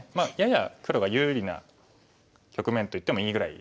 やや黒が有利な局面と言ってもいいぐらいですね。